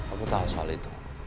aku tahu soal itu